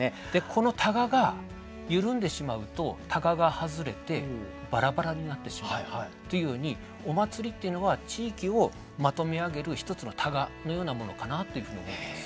このたがが緩んでしまうとたがが外れてバラバラになってしまうというようにお祭りっていうのは地域をまとめ上げる一つのたがのようなものかなっていうふうに思います。